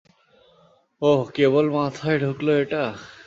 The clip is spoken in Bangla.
ওহ, কেবল মাথায় ঢুকলো এটা?